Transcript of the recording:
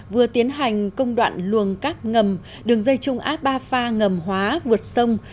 vừa tiến hành công đoạn luồng các ngầm đường dây trung áp ba pha ngầm hóa vượt sông